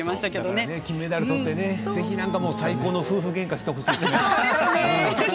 ぜひ金メダルとって最高の夫婦げんかしてほしいですよね。